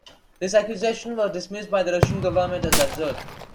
This accusation was dismissed by the Russian government as "absurd".